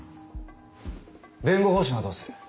弁護方針はどうする？